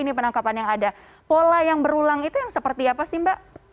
ini penangkapan yang ada pola yang berulang itu yang seperti apa sih mbak